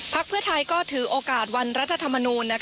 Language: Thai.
ภัยเท้าก็ถือโอกาสวรรค์รัฐธรรมนูญ